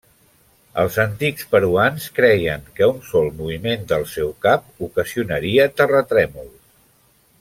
Els antics peruans creien que un sol moviment del seu cap ocasionaria terratrèmols.